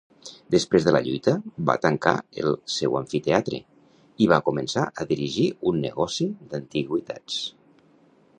Després de la lluita, va tancar el seu amfiteatre, i va començar a dirigir un negoci d'antiguitats.